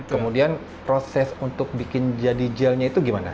kemudian proses untuk bikin jadi gelnya itu gimana